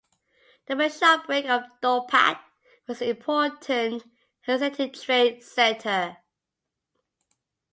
The Bishopric of Dorpat was an important Hanseatic trade center.